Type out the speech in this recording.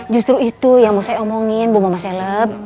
justru itu yang mau saya omongin bu mama seleb